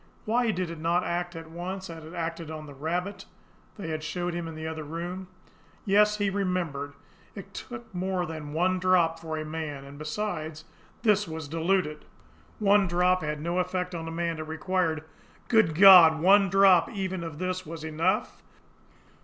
Why did it not act at once, as it had acted on the rabbit they had showed him in the other room? Yes, he remembered! It took more than one drop for a man; and besides, this was diluted. One drop had no effect on a man; it required Good God, ONE DROP EVEN OF THIS WAS ENOUGH?